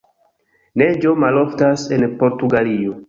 Neĝo maloftas en Portugalio.